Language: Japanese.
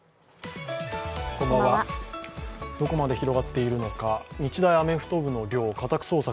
どこまで広がっているのか日大アメフト部の寮、家宅捜索